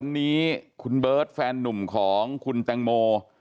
วันนี้คุณเบิร์ตแฟนนุ่มของคุณแตงโม